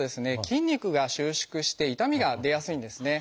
筋肉が収縮して痛みが出やすいんですね。